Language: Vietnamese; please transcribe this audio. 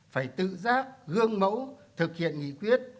phải tự giác gương mẫu thực hiện nghị quyết